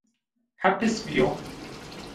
Hepis bîyo